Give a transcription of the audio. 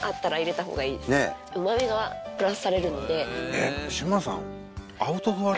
えっ志麻さん。